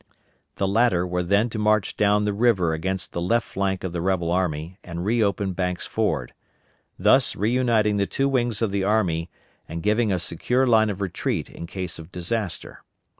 The latter were then to march down the river against the left flank of the rebel army and re open Banks' Ford; thus re uniting the two wings of the army and giving a secure line of retreat in case of disaster.